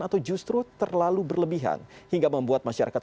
atau justru terlalu berlebihan hingga membuat masyarakat